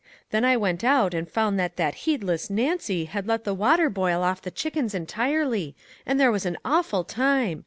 Then I went out and found that that heedless Nancy had let the water boil off the chickens entirely, and there was an awful time